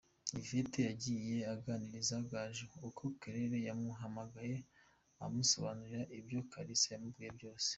Yvette yagiye aganiriza Gaju uko Claire yamuhamagaye, amusobanurira ibyo Kalisa yamubwiye byose.